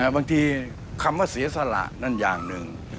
บางทีคำว่าเสียสละนั่นอย่างหนึ่ง